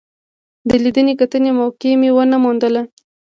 د لیدنې کتنې موقع مې ونه موندله.